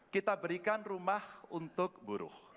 kita berikan rumah untuk buruh